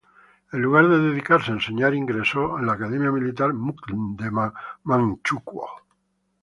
En lugar de dedicarse a enseñar, ingresó a la Academia Militar Mukden de Manchukuo.